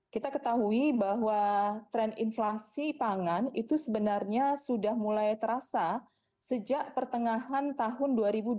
kita ketahui bahwa tren inflasi pangan itu sebenarnya sudah mulai terasa sejak pertengahan tahun dua ribu dua puluh